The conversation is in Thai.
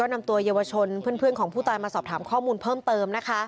นำตัวเยาวชนเพื่อนของผู้ตายมาสอบถามข้อมูลเพิ่มเติมนะคะ